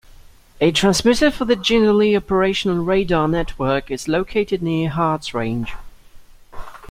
A transmitter for the Jindalee Operational Radar Network is located near Harts Range.